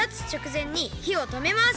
ぜんにひをとめます。